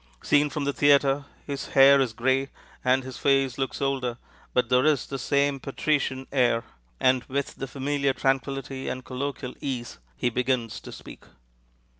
Seen from the theatre, his hair is gray, and his face looks older, but there is the same patrician air; and with the familiar tranquillity and colloquial ease he begins to speak.